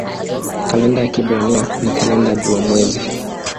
Kalenda ya Kiebrania ni kalenda jua-mwezi.